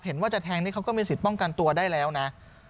เห็นว่าจะแทงนี่เขาก็มีสิทธิ์ป้องกันตัวได้แล้วนะ